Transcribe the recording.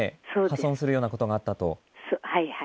破損するようなことがあったと。